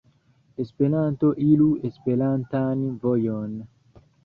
Esperanto iru Esperantan vojon.